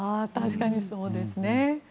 確かにそうですね。